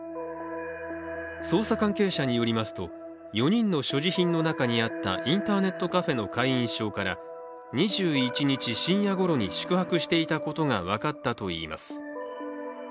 捜査関係者によりますと、４人の所持品の中にあったインターネットカフェの会員証から２１日深夜ごろに宿泊していたことが分かったといいます。